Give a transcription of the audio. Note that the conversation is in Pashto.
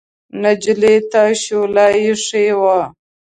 نجلۍ ته شوله اېښې وه.